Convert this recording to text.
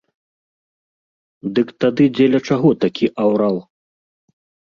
Дык тады дзеля чаго такі аўрал?